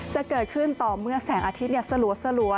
จะเกิดขึ้นต่อเมื่อแสงอาทิตย์สลัว